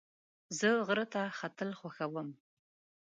زه له غره ختل خوښوم.